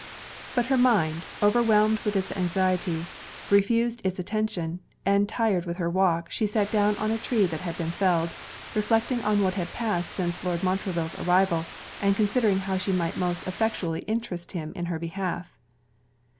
But her mind, overwhelmed with its own anxiety, refused its attention: and tired with her walk, she sat down on a tree that had been felled, reflecting on what had passed since Lord Montreville's arrival, and considering how she might most effectually interest him in her behalf.